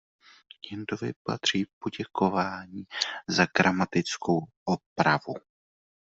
Jendovi patří poděkování za gramatickou opravu.